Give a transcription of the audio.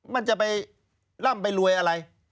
มันจะไปล่ำไปรวยอะไร